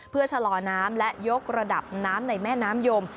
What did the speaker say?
เพื่อชะลอน้ำและยกระดับน้ำในแม่น้ำยม